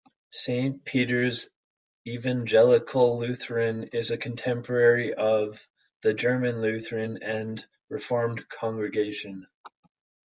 Saint Peter's Evangelical Lutheran is a contemporary of the "German Lutheran and Reformed Congregation".